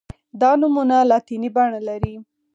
دا نومونه لاتیني بڼه لري.